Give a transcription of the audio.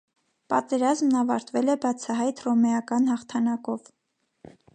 Պատերազմն ավարտվել է բացահայտ հռոմեական հաղթանակով։